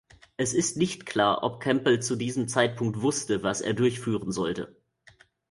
Es ist nicht klar, ob Campbell zu diesem Zeitpunkt wusste, was er durchführen sollte.